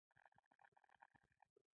د کوکنارو کښت صفر شوی؟